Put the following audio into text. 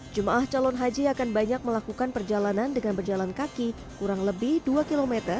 jemaah calon haji akan banyak melakukan perjalanan dengan berjalan kaki kurang lebih dua km